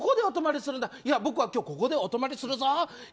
いや、今日は僕はここでお泊まりするぞえ？